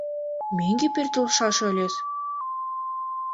Мӧҥгӧ пӧртылшаш ыльыс?